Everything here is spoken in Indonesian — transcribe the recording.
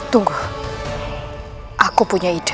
tunggu aku punya ide